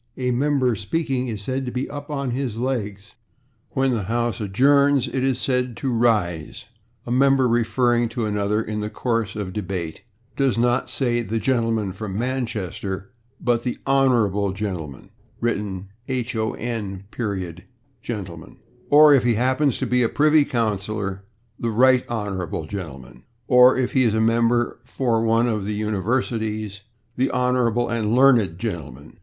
A member speaking is said to be /up/ or /on his legs/. When the house adjourns it is said to /rise/. A member referring to another in the course of a debate does not say "the gentleman from Manchester," but "the /honorable/ gentleman" (written /hon. gentleman/) or, if he happens to be a privy councillor, "the /right honorable/ gentleman," or, if he is a member for one of the universities, "the /honorable and learned/ gentleman."